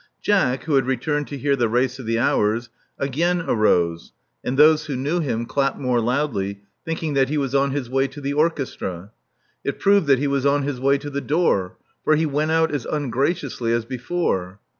Jack, who had returned to hear the Race of the Hours," again arose; and those who knew him clapped more loudly, thinking that he was on his way to the orchestra. It proved that he was on his way to the door; for he went out as ungraciously as before.